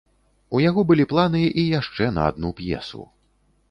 У яго былі планы і яшчэ на адну п'есу.